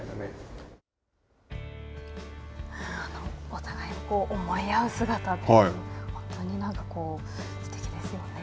お互いこう思い合う姿というのは、本当にすてきですよね。